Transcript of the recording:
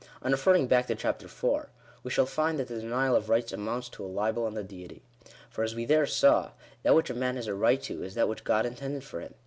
On referring back to Chapter IV., we shall find that the denial of rights amounts to a libel on the Deity. For, as we there saw, that which a man has a right to, is that which God intended for him.